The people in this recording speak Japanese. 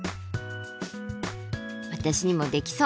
私にもできそう。